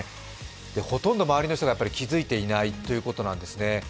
ほとんど周りの人が気づいていないということなんですね。